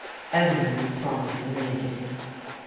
Eleanor replied in the negative.